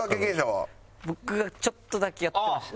僕がちょっとだけやってました。